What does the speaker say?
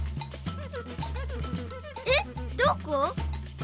えっどこ？